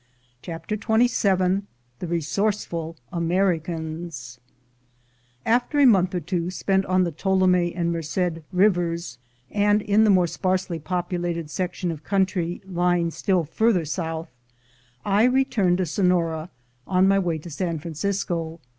CHAPTER XXVII THE RESOURCEFUL AMERICANS AFTER a month or two spent on the Tuolumne and Merced rivers, and in the more sparsely populated section of country lying still farther south, I returned to Sonora, on my way to San Francisco.